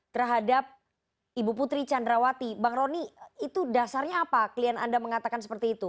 terhadap ibu putri candrawati bang roni itu dasarnya apa klien anda mengatakan seperti itu